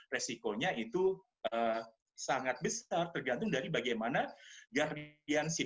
resikonya itu sangat besar tergantung dari bagaimana gardensi